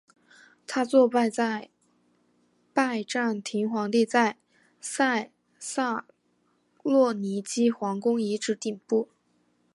它坐落在拜占庭皇帝在塞萨洛尼基皇宫遗址顶部。